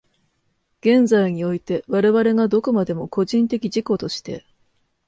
現在において、我々がどこまでも個人的自己として、